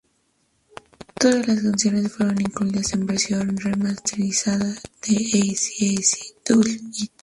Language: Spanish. Todas las canciones fueron incluidas en la versión remasterizada de Eazy-E, Eazy-Duz-It.